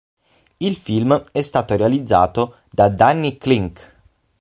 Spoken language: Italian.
Il film è stato realizzato da Danny Clinch.